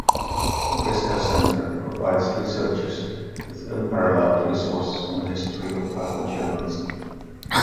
The Briscoe Center provides researchers with unparalleled resources on the history of photojournalism.